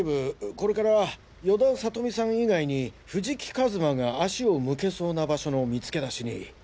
これから与田理美さん以外に藤木一馬が足を向けそうな場所の見つけ出しに。